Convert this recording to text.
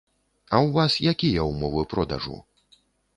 А ў вас якія ўмовы продажу?